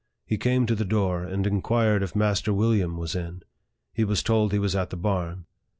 He came to the door, and inquired if Master William was in. He was told he was at the barn.